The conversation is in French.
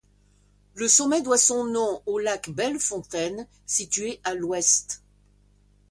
Le sommet doit son nom au lac Belle Fontaine situé à l'ouest.